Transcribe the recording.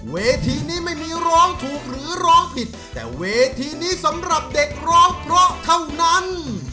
เวทีนี้ไม่มีร้องถูกหรือร้องผิดแต่เวทีนี้สำหรับเด็กร้องเพราะเท่านั้น